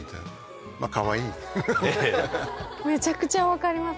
めちゃくちゃ分かります